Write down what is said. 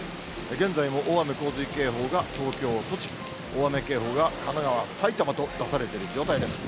現在も大雨・洪水警報が東京、栃木、大雨警報が神奈川、埼玉と出されてる状態です。